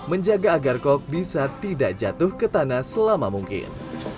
menjaga agar kok bisa tidak jatuh ke tanah selama mungkin